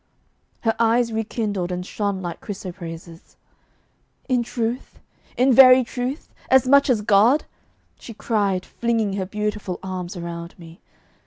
Her eyes rekindled and shone like chrysoprases. 'In truth? in very truth? as much as God!' she cried, flinging her beautiful arms around me.